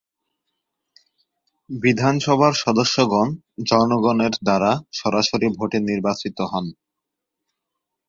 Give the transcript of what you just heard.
বিধানসভার সদস্যগণ জনগণের দ্বারা সরাসরি ভোটে নির্বাচিত হন।